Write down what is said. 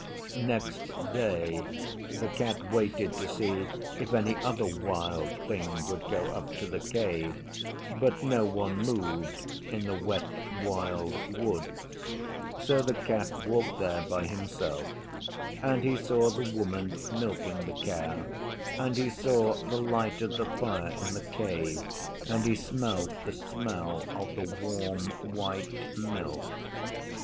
Next day the Cat waited to see if any other Wild thing would go up to the Cave, but no one moved in the Wet Wild Woods, so the Cat walked there by himself; and he saw the Woman milking the Cow, and he saw the light of the fire in the Cave, and he smelt the smell of the warm white milk.